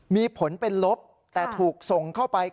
มีผลเป็นลบแต่ถูกส่งเข้าไป